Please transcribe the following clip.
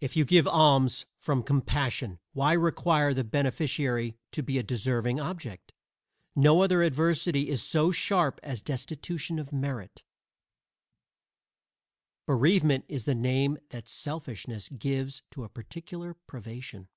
If you give alms from compassion, why require the beneficiary to be "a deserving object?" No other adversity is so sharp as destitution of merit. Bereavement is the name that selfishness gives to a particular privation.